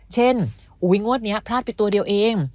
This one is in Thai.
เช่นโอ๊ยงวดนี้พลาดไปตัวเดียวเอง